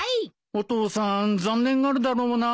お父さん残念がるだろうなあ。